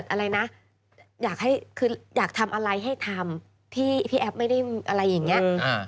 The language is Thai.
อะไรนะอยากทำอะไรให้ทำพี่แอฟไม่ได้อะไรอย่างนี้